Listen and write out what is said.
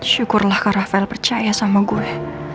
syukurlah kak rafael percaya sama gue